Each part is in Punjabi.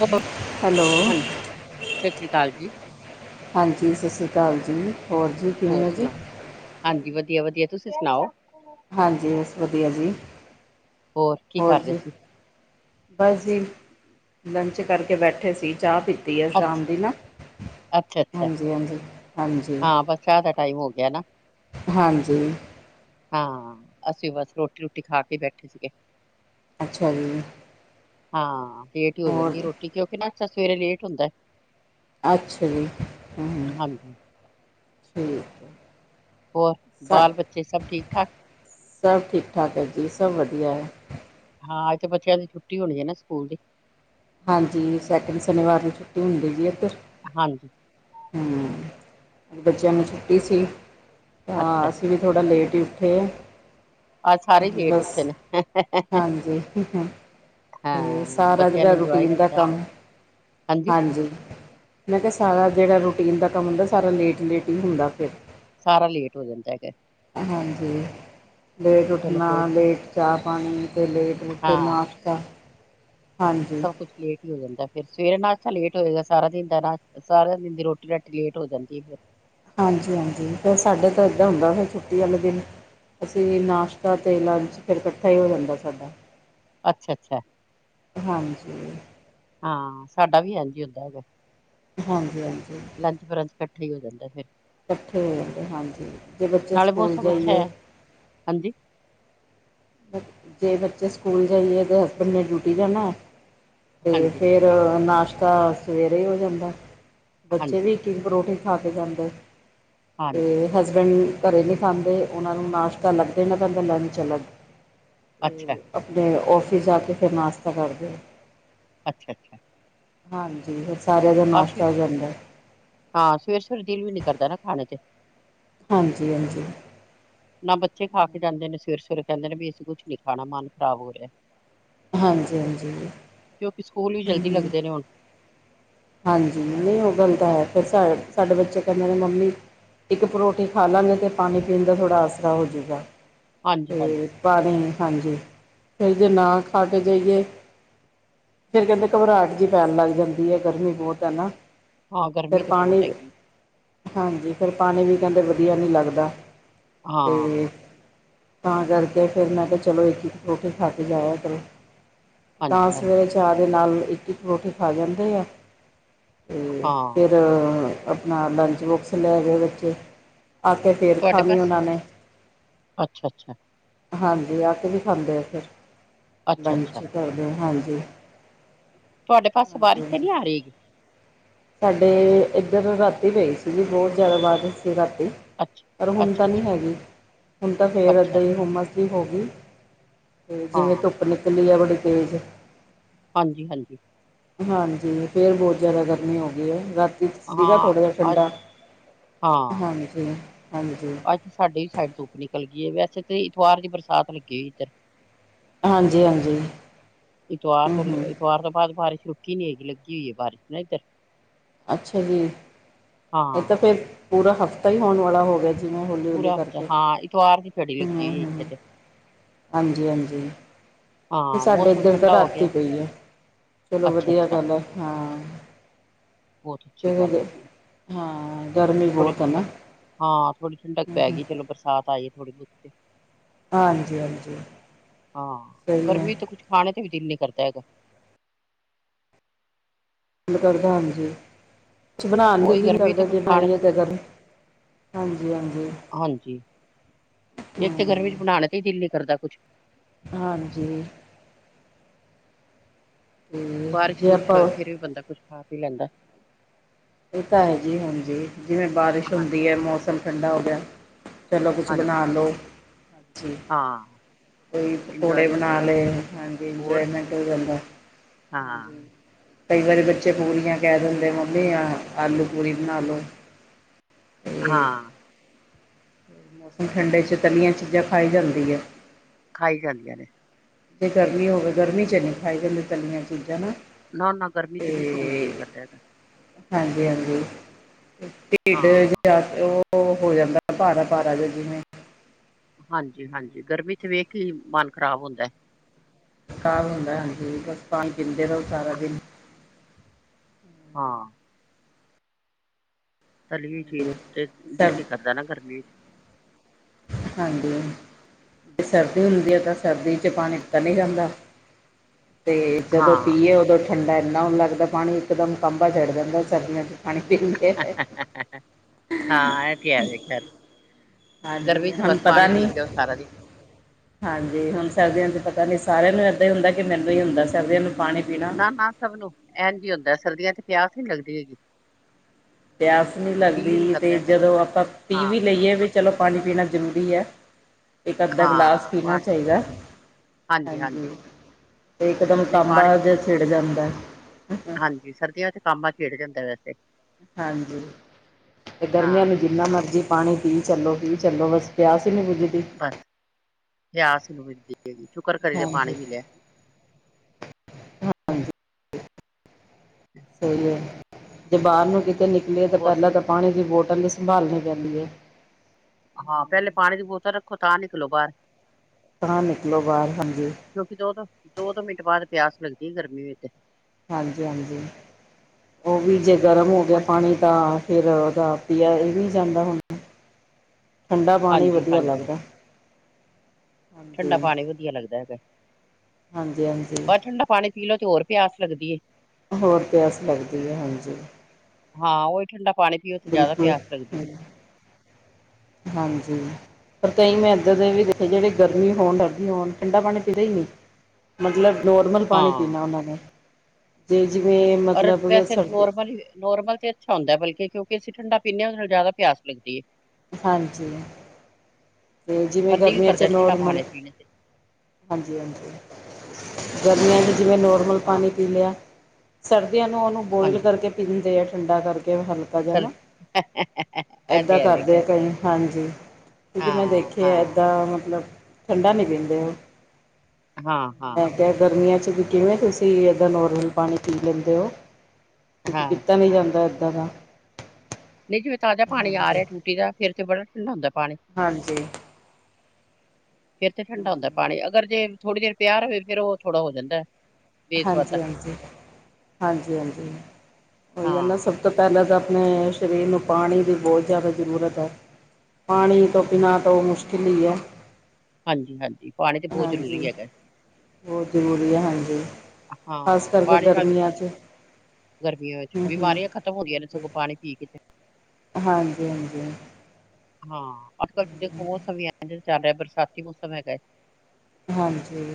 ਓ ਬ, ਹੈਲੋ ਹਾਂਜੀ, ਸਸ਼੍ਰੀ ਅਕਾਲ ਜੀ। ਹਾਂਜੀ ਸਸ਼੍ਰੀ ਅਕਾਲ ਜੀ, ਹੋਰ ਜੀ। ਕਿਵੇਂ ਹੋਰ ਹੋ ਜੀ ਸੁਣਾਓ, ਹਾਂਜੀ ਵਧੀਆ- ਵਧੀਆ ਤੁਸੀਂ ਸੁਣਾਓ? ਹਾਂਜੀ, ਬਸ ਵਧੀਆ ਜੀ, ਕੀ ਹੋਰ ਕਰ ਰਹੇ ਜੀ, ਸੀ ਬਸ ਜੀ, ਲੰਚ ਕਰਕੇ ਬੈਠੇ ਸੀ, ਚਾਹ ਪੀਤੀ ਆ ਅੱਛ ਸ਼ਾਮ ਦੀ ਨਾ ਅੱਛਾ- ਅੱਛਾ, ਹਾਂਜੀ ਹਾਂਜੀ ਹਾਂਜੀ ਹਾਂ ਬਸ ਚਾਹ ਦਾ ਟਾਈਮ ਹੋ ਗਿਆ ਨਾ ਹਾਂਜੀ। ਹਾਂ ਅਸੀਂ ਬਸ ਰੋਟੀ- ਰੂਟੀ ਖਾ ਕੇ ਬੈਠੇ ਸੀਗੇ। ਅੱਛਾ ਜੀ। ਹਾਂ, ਲੇਟ ਹੀ ਹੋ ਹੋਰ ਜਾਂਦੀ ਰੋਟੀ, ਕਿਉਂਕਿ ਨਾ ਅਛਾ ਸਵੇਰੇ ਲੇਟ ਹੁੰਦਾ। ਅੱਛਾ ਜੀ, ਹਾਂਜੀ, ਠੀਕ ਐ। ਹੋਲ, ਬਾਲ- ਬੱਚੇ ਸਭ ਠੀਕ- ਠਾਕ। ਸਭ ਠੀਕ- ਠਾਕ ਐ ਜੀ, ਸਭ ਵਧੀਆ ਏ। ਹਾਂ, ਅੱਜ ਤੇ ਬੱਚਿਆਂ ਦੀ ਛੁੱਟੀ ਹੋਣੀ ਐ ਨਾ ਸਕੂਲ ਦੀ ਹਾਂਜੀ ਸੈਕਿੰਡ ਸ਼ਨੀਵਾਰ ਨੂੰ ਛੁੱਟੀ ਹੁੰਦੀ ਜੀ ਇੱਧਰ ਹਾਂਜੀ। ਹੂੰ, ਬੱਚਿਆਂ ਨੂੰ ਛੁੱਟੀ ਸੀ, ਤਾਂ ਅੱਛਾ ਅਸੀਂ ਥੋੜਾ ਲੇਟ ਹੀ ਉੱਠੇ ਆ ਅੱਜ ਸਾਰੇ ਹੀ ਲੇਟ ਬਸ, ਉੱਠੇ ਨੇ ਹਾਂਜੀ। ਤੇ ਹਾਂ ਸਾਰਾ ਬੱਚਿਆਂ ਜੇੜਾ ਨੇ ਇੰਜੋਏ ਰੂਟੀਨ ਦਾ ਕੀਤਾ ਕੰਮ, ਹਾਂਜੀ। ਮੈਂ ਕਿਹਾ ਸਾਰਾ ਜੇੜਾ ਰੂਟੀਨ ਦਾ ਕੰਮ ਹੁੰਦਾ, ਸਾਰਾ ਲੇਟ- ਲੇਟ ਹੀ ਹੁੰਦਾ ਫੇਰ ਸਾਰਾ ਲੇਟ ਹੋ ਜਾਂਦਾ ਹੈਗਾ ਹਾਂਜੀ, ਲੇਟ ਚਲੋ ਉੱਠਣਾ, ਕੋਈ ਨੀ। ਲੇਡ ਚਾਹ ਪਾਣੀ ਤੇ ਲੇਟ ਉਥੇ ਹਾਂ ਨਾਸ਼ਤਾ, ਹਾਂਜੀ। ਸਭ ਕੁਛ ਲੇਟ ਹੀ ਹੋ ਜਾਂਦਾ ਫਿਰ, ਸਵੇਰੇ ਨਾਚਤਾ ਹੋਏਗਾ ਸਾਰਾ ਦਿਨ ਦਾ ਨਾਚ ਸਾਰਿਆਂ ਦਿਨ ਦੀ ਰੋਟੀ- ਰਾਟੀ ਲੇਟ ਹੋ ਜਾਂਦੀ ਫੇਰ ਹਾਂਜੀ- ਹਾਂਜੀ, ਫੇਰ ਸਾਡੇ ਤੋਂ ਐਦਾਂ ਹੁੰਦਾ ਫਿਰ ਛੁੱਟੀ ਵਾਲੇ ਦਿਨ ਅਸੀਂ ਨਾਸ਼ਤਾ ਤੇ ਲੰਚ ਫੇਰ ਇਕੱਠਾ ਹੀ ਹੋ ਜਾਂਦਾ ਸਾਡਾ। ਅੱਛਾ- ਅੱਛਾ, ਹਾਂਜੀ ਹਾਂ ਸਾਡਾ ਵੀ ਐਂਝ ਹੀ ਹੁੰਦਾ ਹੈਗਾ। ਹਾਂਜੀ ਹਾਂਜੀ। ਲੰਚ-ਬਰੰਚ ਕੱਠੇ ਈ ਹੋ ਜਾਂਦੈ ਫੇਰ ਕੱਠੇ ਹੋ ਜਾਂਦੈ, ਹਾਂਜੀ ਜੇ ਬੱਚੇ ਨਾਲੇ ਸਕੂਲ ਮੌਸਮ ਅੱਛਾ ਜਾਈਏ ਹੈ ਹਾਂਜੀ ਜੇ ਬੱਚੇ ਸਕੂਲ ਜਾਈਏ ਤਾਂ ਹਸਬੈਂਡ ਨੇ ਡਿਊਟੀ ਜਾਨੈ ਤੇ ਹਾਂਜੀ ਫੇਰ ਨਾਸ਼ਤਾ ਸਵੇਰੇ ਈ ਹੋ ਜਾਂਦਾ, ਬੱਚੇ ਹਾਂਜੀ ਵੀ ਈਕ-ਈਕ ਪਰੌਠੀ ਖਾ ਕੇ ਜਾਂਦੇ ਹਾਂਜੀ ਤੇ ਹਸਬੈਂਡ ਘਰੇ ਨੀ ਖਾਂਦੇ, ਓਨਾਂ ਨੂੰ ਨਾਸ਼ਤਾ ਲਗ ਦੇਨਾ ਪੈਂਦੈ ਤੇ ਲੰਚ ਅਲਗ। ਅੱਛਾ ਤੇ ਆਪਨੇ ਓਫਿਸ ਜਾ ਕੇ ਫੇਰ ਨਾਸਤਾ ਕਰਦੇ ਨੇ। ਅੱਛਾ-ਅੱਛਾ। ਹਾਂਜੀ, ਫੇਰ ਸਾਰਿਆਂ ਦਾ ਅਸੀਂ ਨਾਸ਼ਤਾ ਹੋ ਜਾਂਦੈ। ਹਾਂ ਸਵੇਰੇ-ਸਵੇਰੇ ਦਿਲ ਵੀ ਨੀ ਕਰਦਾ ਨਾ ਖਾਣੇ ਤੇ। ਹਾਂਜੀ ਹਾਂਜੀ। ਨਾ ਬੱਚੇ ਖਾ ਕੇ ਜਾਂਦੇ ਨੇ ਸਵੇਰੇ-ਸਵੇਰੇ ਕਹਿੰਦੇ ਨੇ ਵੀ ਅਸੀਂ ਕੁਛ ਨੀ ਖਾਣਾ, ਮਨ ਖਰਾਬ ਹੋ ਰਿਐ। ਹਾਂਜੀ ਹਾਂਜੀ। ਕਿਓਕਿ ਸਕੂਲ ਵੀ ਜਲਦੀ ਹੂੰ, ਹੂੰ। ਲੱਗਦੇ ਨੇ ਹੁਣ ਹਾਂਜੀ ਨਹੀਂ ਉਹ ਗੱਲ ਤਾਂ ਹੈ, ਫਿਰ ਸਾ ਸਾਡੇ ਬੱਚੇ ਕੈਂਦੇ ਨੇ ਮੰਮੀ ਇੱਕ ਪਰੋਠੀ ਖਾ ਲੈਨਗੇ ਤੇ ਪਾਨੀ ਪੀਨ ਦਾ ਥੋੜ੍ਹਾ ਆਸਰਾ ਹੋਜੂਗਾ ਹਾਂਜੀ ਹਾਂਜੀ ਫੇਰ ਪਾਨੀ, ਹਾਂਜੀ ਤੇ ਜੇ ਨਾ ਖਾ ਕੇ ਜਾਈਏ ਫੇਰ ਕੈਂਦੇ ਘਬਰ੍ਹਾਟ ਜੀ ਪੈਨ ਲੱਗ ਜਾਂਦੀ ਐ। ਗਰਮੀ ਬੋਤ ਐ ਨਾ ਹਾਂ ਗਰਮੀ ਫੇਰ ਤਾਂ ਬਹੁਤ ਪਾਣੀ ਹੈਗੀ ਹਾਂਜੀ, ਫੇਰ ਪਾਣੀ ਵੀ ਕੈਂਦੇ ਵਧੀਆ ਨੀ ਲਗਦਾ ਹਾਂ ਤੇ ਤਾਂ ਕਰਕੇ ਫੇਰ ਮੈਂ ਕਿਹਾ ਚਲੋ ਈਕ-ਈਕ ਪਰੋਟੀ ਖਾ ਕੇ ਜਾਇਆ ਕਰੋ। ਤਾਂ ਹਾਂਜੀ ਹਾਂਜੀ ਸਵੇਰੇ ਚਾਅ ਦੇ ਨਾਲ ਈਕ-ਈਕ ਪਰੋਠੀ ਖਾ ਜਾਂਦੇ ਐ। ਤੇ ਫੇਰ ਹਾਂ ਆਪਨਾ ਲੰਚ ਬੋਕਸ ਲੈ ਗਏ ਬੱਚੇ ਆ ਕੇ ਫੇਰ ਤੁਹਾਡੇ ਖਾਨੀ ਪਾਸ ਓਨਾਂ ਨੇ ਅੱਛਾ ਅੱਛਾ ਹਾਂਜੀ ਆ ਕੇ ਵੀ ਖਾਂਦੇ ਐ ਫੇਰ ਅੱਛਾ-ਅੱਛਾ, ਲੰਚ ਕਰਦੇ, ਹਾਂਜੀ। ਤੁਆਡੇ ਪਾਸੇ ਹਾਂਜੀ ਬਾਰਿਸ਼ ਹਾਂਜੀ ਤੇ ਨੀ ਆ ਰੀ ਹੇਗੀ? ਸਾਡੇ ਇੱਧਰ ਰਾਤੀ ਪਈ ਸੀਗੀ ਬੋਤ ਜ਼ਿਆਦਾ ਬਾਰਸ਼ ਸੀ ਰਾਤੀ। ਅੱਛਾ, ਪਰ ਹੁਣ ਤਾਂ ਨੀ ਅੱਛਾ-ਅੱਛਾ, ਅੱਛਾ, ਹੈਗੀ, ਹੁਨ ਤਾਂ ਫੇਰ ਅੱਛਾ ਏਦਾਂ ਈ ਹੁਮਸ ਜੀ ਹੋ ਗੀ। ਤੇ ਜਿਵੇਂ ਹਾਂ, ਤੁੱਪ ਨਿਕਲੀ ਐ ਬੜੀ ਤੇਜ਼ ਹਾਂਜੀ ਹਾਂਜੀ। ਹਾਂਜੀ, ਫੇਰ ਬੋਤ ਜਾਦਾ ਗਰਮੀ ਹੋ ਗੀ ਐ। ਵਿਚ ਸੀਗਾ ਹਾਂ, ਥੋੜਾ ਜਾ ਅੱਜ ਠੰਡਾ, ਹਾਂ, ਹਾਂਜੀ-ਹਾਂਜੀ। ਅੱਜ ਸਾਡੇ ਵੀ ਸਾਈਡ ਤੁੱਪ ਨਿਕਲ ਗੀ ਏ ਵੈਸੇ ਤੇ ਇਤਵਾਰ ਦੀ ਬਰਸਾਤ ਲੱਗੀ ਹੋਈ ਇੱਧਰ ਹਾਂਜੀ ਹਾਂਜੀ ਈਤਵਾਰ ਹਮ ਤੋਂ ਹਮ ਈਤਵਾਰ ਤੋਂ ਬਾਅਦ ਬਾਰਿਸ਼ ਰੁਕ ਕੀ ਨੀ ਏਗੀ ਲੱਗੀ ਓਈ ਏ ਬਾਰੀਸ਼ ਨਾ ਏਧਰ ਅੱਛਾ ਜੀ, ਏ ਤਾਂ ਹਾਂ। ਫੇਰ ਪੂਰਾ ਹਫਤਾ ਈ ਹੋਣ ਵਾਲਾ ਹੋ ਗਿਆ ਜੀ। ਜਿਵੇਂ ਹੌਲੀ-ਹੌਲੀ ਪੂਰਾ ਹਫ਼ਤਾ, ਕਰਕੇ ਹਾਂ ਇਤਵਾਰ ਦੀ ਝੜੀ ਲੱਗੀ ਹਮ ਹੋਈ ਹੈ ਹਮ, ਇੱਥੇ ਤੇ, ਹਾਂਜੀ ਹਾਂਜੀ। ਵੀ ਹਾਂ ਸਾਡੇ ਮੌਸਮ ਏਧਰ ਤਾਂ ਠੰਡਾ ਹੋ ਰਾਤੀ ਗਿਆ। ਪਈ ਐ ਚਲੋ ਵਧੀਆ ਅੱਛਾ-ਅੱਛਾ, ਗੱਲ ਐ, ਹਾਂ। ਬੋਤ ਅੱਛੀ ਗੱਲ ਕਿਉਂਕਿ ਹੈਗੀ। ਹਾਂ ਗਰਮੀ ਥੋੜੀ ਬਹੁਤ ਹੈ ਨਾ ਠੰਡਕ, ਹਾਂ ਥੋੜੀ ਠੰਡਕ ਹਮ ਪੈ ਹਮ ਗੀ, ਚਲੋ ਬਰਸਾਤ ਆਈ ਏ ਥੋੜੀ-ਬੋਤ ਹਾਂਜੀ-ਹਾਂਜੀ। ਹਾਂ, ਗਰਮੀ ਤੇ ਕੁਛ ਖਾਣੇ ਤੇ ਵੀ ਦਿਲ ਨੀ ਕਰਦਾ ਹੈਗਾ। ਦਿਲ ਕਰਦਾ ਹਾਂਜੀ, ਕੁਝ ਬਣਾਣ ਨੂੰ ਉਹੀ ਦਿਲ ਨੀ ਗਰਮੀ ਤੇ ਕਰਦਾ ਜੇ ਕੁੱਛ ਖਾਣੇ ਬਣਾਈਏ ਤੇ ਤਾ ਹਾਂਜੀ-ਹਾਂਜੀ। ਹਾਂਜੀ। ਏਕ ਤੇ ਗਰਮੀ ਚ ਬਣਾਣੇ ਤੇ ਈ ਦਿਲ ਨੀ ਕਰਦਾ ਕੁਛ ਹਾਂਜੀ। ਤੇ ਜੇ ਬਾਰਿਸ਼-ਬੁਰਿਸ਼ ਆਪਾਂ ਹੋਵੇ ਫੇਰ ਵੀ ਬੰਦਾ ਕੁਛ ਖਾ-ਪੀ ਲੈਂਦਾ। ਏ ਤਾਂ ਹੈ ਜੀ ਹਾਂਜੀ, ਜਿਵੇਂ ਬਾਰਿਸ਼ ਹਾਂ ਹੁੰਦੀ ਐ ਮੌਸਮ ਠੰਡਾ ਹੋ ਗਿਆ। ਚਲੋ ਕੁਛ ਹਾਂਜੀ ਬਣਾ ਲੋ, ‌ ਜੀ ਹਾਂ ਕੋਈ ਪਕੌੜੇ ਇੰਜੋਏਮੈਂਟ ਬਣਾ ਹੋ ਲਏ ਜਾਂਦਾ ਹਾਂਜੀ, ਹੋਰ ਇੰਜੋਏਮੈਂਟ ਹੋ ਜਾਂਦਾ। ਹਾਂ। ਹਾਂਜੀ ਕਈ ਵਾਰੀ ਬੱਚੇ ਪੂਰੀਆਂ ਕੈ ਦਿੰਦੇ ਮੰਮੀ ਆ ਆਲੂ ਪੂਰੀ ਬਣਾ ਲੋ। ਹਾਂ। ਮੌਸਮ ਠੰਡੇ 'ਚ ਤਲੀਆਂ ਚੀਜ਼ਾਂ ਖਾਈ ਜਾਂਦੀ ਐ। ਖਾਈ ਜਾਂਦੀਆਂ ਨੇ। ਜੇ ਗਰਮੀ ਹੋਵੇ ਗਰਮੀ ਚ ਨੀ ਖਾਈ ਜਾਂਦੀ ਤਲੀਆਂ ਚੀਜ਼ਾਂ ਨਾ ਨਾ-ਨਾ ਗਰਮੀ ਚ ਬਿਲਕੁਲ ਨੀ ਦਿਲ ਕਰਦਾ ਹੈਗਾ। ਹਾਂਜੀ-ਹਾਂਜੀ, ਤੇ ਢਿੱਡ ਚ ਹਾਂ ਸੱਚ ਓ ਹੋ ਜਾਂਦਾ ਬਾਰਾ-ਬਾਰਾ ਜ ਜਿਵੇਂ ਹਾਂਜੀ-ਹਾਂਜੀ ਗਰਮੀ ਚ ਵੇਖ ਕੇ ਈ ਮਨ ਖ਼ਰਾਬ ਹੁੰਦਾ। ਖਾਬ ਹੁੰਦਾ ਹਾਂਜੀ ਬਸ ਪਾਨੀ ਪੀਂਦੇ ਰਹੋ ਸਾਰਾ ਦਿਨ ਹਾਂ। ਤਲੀ ਹੋਈ ਚੀਜ਼ ਤੇ ਦਿਲ ਸਰ ਨੀ ਕਰਦਾ ਨਾ ਗਰਮੀ ਚ ਹਾਂਜੀ। ਜੇ ਸਰਦੀ ਹੁੰਦੀ ਐ ਤਾਂ ਸਰਦੀ 'ਚ ਪਾਨੀ ਪੀਤਾ ਨੀ ਜਾਦਾ ਤੇ ਹਾਂ ਜਦੋਂ ਪੀਏ ਓਦੋਂ ਠੰਡਾ ਏਨਾ ਹੋਣ ਲੱਗਦਾ ਪਾਨੀ ਇਕਦਮ ਕਾਂਭਾ ਚੜ ਜਾਂਦਾ ਸਰਦੀਆਂ 'ਚ [inaudible] [inaudible] ਹਾਂ ਐ ਤੇ ਹੈ ਵੇ ਖੈਰ, ਗਰਮੀ ਹਾਂਜੀ ਚ ਹੁਣ ਬਸ ਪਤਾ ਪਾਨੀ ਨਹੀਂ ਪੀ ਜਾਓ ਸਾਰਾ ਦਿਨ ਹਾਂਜੀ ਹੁਣ ਸਰਦੀਆਂ ਚ ਪਤਾ ਨੀ ਸਾਰਿਆਂ ਨੂੰ ਏਦਾਂ ਈ ਹੁੰਦਾ ਕਿ ਮੈਨੂੰ ਈ ਹੁੰਦਾ ਸਰਦੀਆਂ ਨੂੰ ਪਾਣੀ ਪੀਣਾ ਨਾ-ਨਾ ਸਭ ਨੂੰ, ਐਨਜ ਈ ਹੁੰਦਾ ਸਰਦੀਆਂ ਚ ਪਿਆਸ ਈ ਨੀ ਲੱਗਦੀ ਹੈਗੀ ਪਿਆਸ ਨੀ ਦਿਲ ਹੀ ਨੀ ਲੱਗਦੀ ਕਰਦਾ ਤੇ ਹੈਗਾ ਜਦੋਂ ਆਪਾਂ ਪੀ ਹਾਂ ਵੀ ਲਈਏ ਚਲੋ ਪਾਨੀ ਪੀਨਾ ਜ਼ਰੂਰੀ ਐ ਏਕ ਅੱਧਾ ਗਲਾਸ ਪੀਨਾ ਚਾਈਦਾ। ਹਾਂਜੀ-ਹਾਂਜੀ। ਇਕਦਮ ਨੀ ਪਾਨੀ ਤਾਂਬਾ ਤੇ ਜਿਹਾ ਬੋਤ ਜਰੂ, ਛਿੜ ਜਾਂਦਾ। ਹਾਂਜੀ ਸਰਦੀਆਂ ਚ ਕਾਮਬਾ ਛੇਡ ਜਾਂਦਾ ਐ ਵੈਸੇ ਹਾਂਜੀ ਤੇ ਹਾਂ ਗਰਮੀਆਂ ਨੂੰ ਜਿੰਨਾ ਮਰਜੀ ਪਾਨੀ ਪੀ ਚੱਲੋ ਪੀ ਚਲੋ ਬਸ ਪਿਆਸ ਹੀ ਨੀ ਬੁਜ ਬਸ, ਪਿਆਸ ਈ ਨੀ ਬੁੱਝਦੀ ਹੈਗੀ ਸ਼ੁਕਰ ਕਰੀ ਦਾ ਪਾਨੀ ਹਾਂਜੀ ਮਿਲਿਆ। ਸਈ ਐ, ਜੇ ਬਾਰ ਨੂੰ ਕਿਤੇ ਨਿਕਲੀਏ ਤੇ ਹੋਰ ਪੈਲਾਂ ਸੁਣ ਤੇ ਪਾਨੀ ਦੀ ਬੋਟਲ ਨੀ ਸੰਭਾਲਣੀ ਪੈਂਦੀ ਏ। ਹਾਂ ਪੈਲੇ ਪਾਨੀ ਦੀ ਬੋਤਲ ਰੱਖੋ ਤਾਂ ਨਿਕਲੋ ਬਾਰ ਤਾਂ ਨਿਕਲੋ ਬਾਰ ਹਾਂਜੀ। ਕਿਉਂਕਿ ਦੋ-ਦੋ, ਦੋ-ਦੋ ਮਿੰਟ ਬਾਦ ਪਿਆਸ ਲਗਦੀ ਗਰਮੀ ਵਿੱਚ ਹਾਂਜੀ-ਹਾਂਜੀ ਓ ਵੀ ਜੇ ਗਰਮ ਹੋ ਗਿਆ ਕੋਈ ਤੇ ਦੋ ਪਾਨੀ ਦੋ ਮਿੰਟ ਤਾਂ ਬਾਅਦ ਫੇਰ ਓਦਾ ਪੀਆ ਏਵੀ ਨੀ ਜਾਂਦਾ ਹੁਣ ਠੰਡਾ ਪਾਣੀ ਹਾਂਜੀ ਵਧੀਆ ਹਾਂਜੀ ਲੱਗਦਾ। ਠੰਡਾ ਹਾਂਜੀ ਪਾਣੀ ਵਧੀਆ ਲੱਗਦਾ ਐਗਾ। ਹਾਂਜੀ ਹਾਂਜੀ ਬਸ ਠੰਡਾ ਪਾਣੀ ਪੀ ਲੋ ਤੇ ਹੋਰ ਪਿਆਸ ਲੱਗਦੀ ਏ। ਹੋਰ ਪਿਆਸ ਲੱਗਦੀ ਐ, ਹਾਂਜੀ। ਹਾਂ, ਉਹੀ ਠੰਡਾ ਪਾਣੀ ਪੀਓ ਤੇ ਜ਼ਿਆਦਾ ਬਿਲਕੁਲ ਪਿਆਸ ਲੱਗਦੀ ਏ। ਹਾਂਜੀ। ਪਰ ਕਈ ਮੈਂ ਇੱਦਾ ਦੇ ਵੀ ਵੇਖੇ, ਜਿਹੜੇ ਗਰਮੀ ਹੋਣ, ਡਰਦੀ ਹੋਣ, ਠੰਡਾ ਪਾਣੀ ਪੀਂਦੇ ਈ ਨੀ। ਮਤਲਬ ਨੋਰਮਲ ਪਾਣੀ ਹਾਂ ਪੀਨਾ ਉਹਨਾਂ ਨੇ। ਤੇ ਜਿਵੇਂ ਔਰ ਮਤਲਬ ਵੈਸੇ ਸਰਦੀ ਨੋਰਮਲ ਈ, ਨੋਰਮਲ 'ਚ ਅੱਛਾ ਹੁੰਦਾ। ਬਲਕਿ, ਕਿਉਂਕੇ ਅਸੀਂ ਠੰਡਾਂ ਪੀਨੇ ਆ। ਉਦੇ ਨਾਲ ਜ਼ਿਆਦਾ ਪਿਆਸ ਲਗਦੀ ਏ। ਹਾਂਜੀ। ਤੇ ਜਿਵੇਂ ਪਰ ਦਿਲ ਗਰਮੀਆਂ 'ਚ ਕਰਦਾ ਠੰਡਾ ਨੋਰਮਲ ਪਾਣੀ ਪੀਣੇ ਤੇ ਹਾਂਜੀ-ਹਾਂਜੀ। ਗਰਮੀਆਂ 'ਚ ਜਿਵੇਂ ਨੋਰਮਲ ਹਾਂ ਪਾਣੀ ਪੀ ਲਿਆ। ਸਰਦੀਆਂ ਨੂੰ ਉਹਨੂੰ ਬੋਇਲ ਹਾਂਜੀ ਕਰਕੇ ਪੀਦੇ ਆ। ਠੰਡਾ ਕਰਕੇ ਹਲਕਾ ਹਾਂ ਜਿਹਾ ਨਾ, ਸਰਦੀ ਇਹ ਏਦਾਂ ਤੇ ਹੈਵੇ ਕਰਦੇ ਖੈਰ ਕਈ ਹਾਂਜੀ। ਕਿਉਂਕਿ ਮੈਂ ਹਾਂ ਦੇਖਿਆ ਹਾਂ ਏਦਾਂ ਮਤਲਬ, ਠੰਡਾ ਨੀ ਪੀਂਦੇ ਉਹ। ਹਾਂ ਹਾਂ ਮੈਂ ਕਿਹਾ ਗਰਮੀਆਂ 'ਚ ਵੀ ਕਿਵੇਂ ਤੁਸੀਂ ਏਦਾਂ ਨੋਰਮਲ ਪਾਣੀ ਪੀ ਲੈਂਦੇ ਓ। ਕਿਉਂਕਿ ਹਾਂ ਪੀਤਾ ਨੀ ਜਾਂਦਾ ਏਦਾਂ ਦਾ। ਨਹੀਂ ਜਿਵੇਂ ਤਾਜ਼ਾ ਪਾਣੀ ਆ ਹਾਂਜੀ ਰਿਹਾ ਟੂਟੀ ਦਾ। ਫਿਰ ਬੜਾ ਠੰਡਾ ਹੁੰਦਾ ਪਾਣੀ। ਹਾਂਜੀ। ਫਿਰ ਤੇ ਠੰਡਾ ਹੁੰਦਾ ਪਾਣੀ। ਅਗਰ ਜੇ ਥੋੜ੍ਹੀ ਦੇਰ ਪਿਆ ਰਵੇ, ਫਿਰ ਉਹ ਥੋੜ੍ਹਾ ਹੋ ਜਾਂਦਾ ਬੇਸਵਾਦਾ ਹਾਂਜੀ-ਹਾਂਜੀ। ਹਾਂਜੀ-ਹਾਂਜੀ। ਉਹੀ ਐ ਹਾਂ ਨਾ ਸਭ ਤੋਂ ਪਹਿਲਾਂ ਤਾਂ ਆਪਣੇ ਸਰੀਰ ਨੂੰ ਪਾਣੀ ਦੀ ਬਹੁਤ ਜ਼ਿਆਦਾ ਜ਼ਰੂਰਤ ਐ। ਪਾਣੀ ਤੋਂ ਪੀਣਾ ਤੋਂ ਮੁਸ਼ਕਿਲ ਈ ਐ। ਹਾਂਜੀ-ਹਾਂਜੀ, ਪਾਣੀ ਤੇ ਬਹੁਤ ਹਾਂਜੀ ਜ਼ਰੂਰੀ ਐਗਾ। ਬਹੁਤ ਜ਼ਰੂਰੀ ਹੈ ਹਾਂਜੀ ਖਾਸ ਹਾਂ, ਕਰਕੇ ਪਾਣੀ ਨਾਲ ਗਰਮੀਆਂ 'ਚ ਗਰਮੀਆਂ ਵਿੱਚ ਹੂੰ ਹੂੰ ਬਿਮਾਰੀਆਂ ਖ਼ਤਮ ਹੁੰਦੀਆਂ ਨੇ। ਸਗੋਂ ਪਾਣੀ ਕੀ ਕੀਤਾ। ਹਾਂਜੀ-ਹਾਂਜੀ। ਹਾਂ, ਅੱਜ-ਕੱਲ੍ਹ ਦੇਖੋ ਮੌਸਮ ਵੀ ਐਂਜ ਚੱਲ ਰਿਹਾ ਬਰਸਾਤੀ ਮੌਸਮ ਹੈਗਾ। ਹਾਂਜੀ।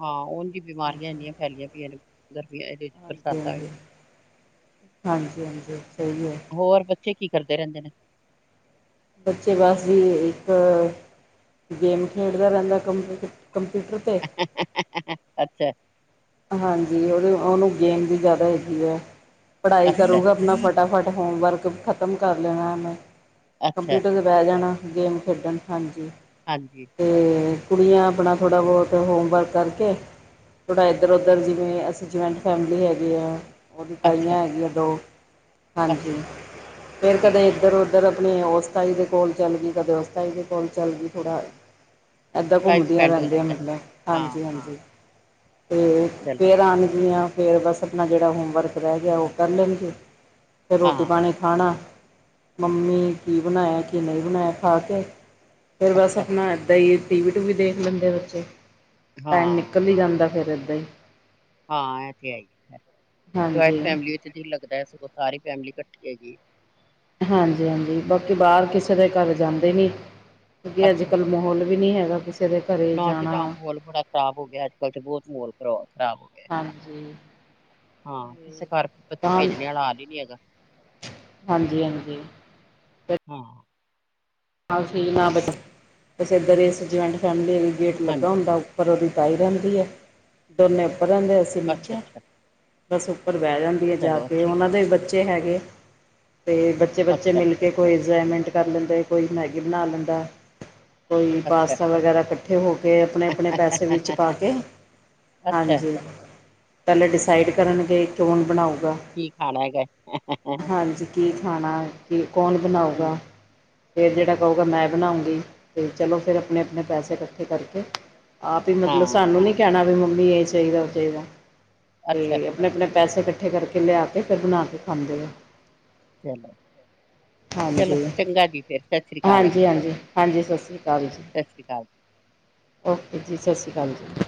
ਹਾਂ, ਉਂਝ ਈ ਬਿਮਾਰੀਆਂ ਇੰਨੀਆਂ ਫੈਲੀਆਂ ਪਈਆਂ ਨੇ ਗਰਮੀਆਂ ਵਿੱਚ ਬਰਸਾਤਾਂ ਹਾਂਜੀ-ਹਾਂਜੀ। ਵਿੱਚ ਹਾਂਜੀ-ਹਾਂਜੀ, ਸਹੀ ਐ। ਹੋਰ ਬੱਚੇ ਕੀ ਕਰਦੇ ਰਹਿੰਦੇ ਨੇ? ਬੱਚੇ ਬਸ ਜੀ ਇੱਕ ਗੇਮ ਖੇਡਦਾ ਰਹਿੰਦਾ ਕੰਪ-ਕੰਪਿਊਟਰ 'ਤੇ ਅੱਛਾ। ਹਾਂਜੀ, ਉਹਦੇ ਉਹਨੂੰ ਗੇਮ ਦੀ ਜ਼ਿਆਦਾ ਹੈਗੀ ਐ। ਪੜ੍ਹਾਈ ਅੱਛਾ ਕਰੂਗਾ ਆਪਣਾ ਫਟ ਫਟਾਫਟ ਹੋਮਵਰਕ ਖ਼ਤਮ ਕਰ ਲੈਣਾ ਉਹਨੇ। ਅੱਛਾ ਕੰਪਿਊਟਰ ਦੇ ਬਹਿ ਜਾਣਾ ਗੇਮ ਖੇਡਣ, ਹਾਂਜੀ। ਹਾਂਜੀ। ਤੇ ਕੁੜੀਆਂ ਆਪਣਾ ਥੋੜ੍ਹਾ ਬਹੁਤ ਹੋਮਵਰਕ ਕਰਕੇ। ਥੋੜ੍ਹਾ ਇ ਇੱਧਰ-ਉੱਧਰ ਜਿਵੇਂ ਅਸੀਂ ਜੁਆਇੰਟ ਫੈਮਿਲੀ ਹੈਗੀ ਆ। ਉਹਦੀ ਅੱਛਾ ਤਾਈਆਂ ਹੈਗੀਆਂ ਦੋ ਹਾਂਜੀ। ਅੱਛਾ ਫਿਰ ਠੀਕ ਕਦੇ ਹੈ ਇੱਧਰ ਉਧ ਉੱਧਰ ਆਪਣੇ ਉਸ ਤਾਈ ਦੇ ਕੋਲ ਚੱਲਗੀ। ਕਦੇ ਉਸ ਤਾਈ ਦੇ ਕੋਲ ਚੱਲਗੀ। ਥੋੜਾ ਐਦਾਂ ਟਾਈਮ ਘੁੰਮਦੀਆਂ ਸਪੈਂਡ ਹੋ ਰਹਿੰਦੀਆਂ ਜਾਂਦਾ ਹੈ। ਮਤਲਬ, ਹਾਂ ਹਾਂ ਹਾਂਜੀ-ਹਾਂਜੀ। ਤੇ ਚਲੋ ਫਿਰ ਆਣਗੀਆਂ। ਫਿਰ ਬਸ ਆਪਣਾ ਜਿਹੜਾ ਹੋਮਵਰਕ ਰਹਿ ਗਿਆ ਉਹ ਕਰ ਲੈਣਗੇ। ਫੇਰ ਹਾਂ ਰੋਟੀ-ਪਾਣੀ ਖਾਣਾ ਮੰਮੀ ਕੀ ਬਣਾਆ, ਕੀ ਨਈ ਬਣਾਆ ਖਾ ਕੇ ਫੇਰ ਬਸ ਅੱਛਾ ਅਪਨਾ ਏਦਾਂ ਈ ਟੀਵੀ-ਟੂਵੀ ਦੇਖ ਲੈਂਦੇ ਬੱਚੇ ਟਾਈਮ ਹਾਂ ਨਿਕਲ ਈ ਜਾਂਦਾ। ਫਿਰ ਏਦਾਂ ਈ। ਹਾਂ ਐ ਤੇ ਹੈਈਏ, ਜਆਇੰਟ ਹਾਂਜੀ ਫੈਮਿਲੀ ਵਿੱਚ ਜੀ ਲੱਗਦਾ ਸਗੋਂ ਸਾਰੀ ਫੈਮਲੀ ਕੱਠੀ ਐਗੀ। ਹਾਂਜੀ-ਹਾਂਜੀ ਬਾਕੀ ਬਾਰ ਕਿਸੇ ਦੇ ਘਰ ਜਾਂਦੇ ਨੀ। ਕਿਉਂਕਿ ਅੱਛਾ ਅੱਜ-ਕੱਲ ਮਾਹੌਲ ਵੀ ਨੀਂ ਹੈਗਾ, ਕਿਸੇ ਦੇ ਘਰੇ ਜਾਣਾ। ਬਾਕੀ ਬੋਤ ਮੋਲ ਖਰਾਬ ਹੋ ਗਯਾ। ਹਾਂਜੀ ਹਾਂ, ਤੇ ਕਿਸੇ ਘਰ ਬੱਚੇ ਤਾਂ ਭੇਜਣ ਵਾਲਾ ਹਾਲ ਨੀ ਹੈਗਾ। ਹਾਂਜੀ-ਹਾਂਜੀ। ਹਾਂ। [unintelligible] ਬਸ ਏਧਰ ਇਸ ਜੁਆਇੰਟ ਫੈਮਲੀ ਗੇਟ ਲੱਗਾ ਹਾਂਜੀ, ਹੁੰਦਾ। ਉੱਪਰ ਓਦੀ ਤਾਈ ਰੈਂਦੀ ਐ, ਦੋਨੇ ਉਪਰ ਰੈਂਦੇ ਅਸੀਂ ਨੀਚੇ। ਅੱਛਾ-ਅੱਛਾ, ਬਸ ਉੱਪਰ ਬਹਿ ਜਾਂਦੀ ਐ ਜਾ ਚਲੋ ਕੇ, ਅੱਛੀ ਓਨਾਂ ਗੱਲ ਦੇ ਬੱਚੇ ਹੈਗੇ ਤੇ ਬੱਚੇ-ਬੱਚੇ ਅੱਛਾ, ਮਿਲ ਕੇ ਕੋਈ ਇੰਜੋਏਮੈਂਟ ਕਰ ਲੈਂਦੇ, ਕੋਈ ਮੈਗੀ ਬਨਾ ਲੈਂਦਾ ਕੋਈ ਅੱਛਾ, ਪਾਸਤਾ ਵਗੈਰਾ, ਕੱਠੇ ਹੋਕੇ ਅਪਨੇ-ਅਪਨੇ ਪੈਸੇ ਵਿੱਚ ਪਾਕੇ। ਅੱਛਾ, ਹਾਂਜੀ। ਪੈਲੇ ਡਿਸਾਈਡ ਕਰਨਗੇ ਕੌਣ ਬਣਾਊਗਾ, ਕੀ ਖਾਣਾ ਹੈਗਾ ਹਾਂਜੀ। ਕੀ ਖਾਣਾ ਏਥੇ ਕੌਣ ਹੂੰ, ਬਣਾਊਗਾ? ਫੇਰ ਜੇੜਾ ਕਉਗਾ ਮੈਂ ਬਣਾਉਂਗੀ, ਤੇ ਚਲੋ ਫੇਰ ਅਪਨੇ-ਅਪਨੇ ਪੈਸੇ ਕੱਠੇ ਕਰਕੇ ਆਪ ਈ ਮਤਲਬ ਹਾਂ, ਸਾਨੂੰ ਨੀ ਕੈਂਣਾ, ਵੀ ਮੰਮੀ ਏ ਚਾਈਦੈ, ਓ ਚਾਈਦੈ ਅੱਛਾ, ਤੇ ਅਪਨੇ-ਅਪਨੇ ਪੈਸੇ ਕੱਠੇ ਕਰਕੇ, ਲਿਆਕੇ ਫੇਰ ਬਣਾ ਕੇ ਖਾਂਦੇਨੇ। ਚਲੋ ਚਲੋ ਹਾਂਜੀ ਚੰਗਾ ਜੀ, ਫੇਰ। ਸਤਿ ਸ੍ਰੀ ਅਕਾਲ ਜੀ, ਹਾਂਜੀ, ਹਾਂਜੀ-ਹਾਂਜੀ ਸਸਰੀ ਅਕਾਲ ਜੀ। ਸਤਿ ਸ੍ਰੀ ਅਕਾਲ। ਓਕੇ ਜੀ, ਸਸ ਸ੍ਰੀ ਅਕਾਲ ਜੀ।